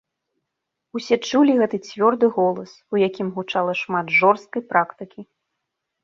Усе чулі гэты цвёрды голас, у якім гучала шмат жорсткай практыкі.